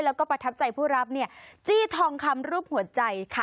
แล้วก็ประทับใจผู้รับเนี่ยจี้ทองคำรูปหัวใจค่ะ